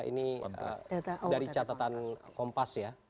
ini dari catatan kompas ya